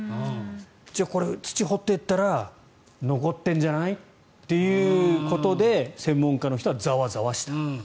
じゃあ、これ土を掘っていったら残ってるんじゃないということで専門家の人はザワザワした。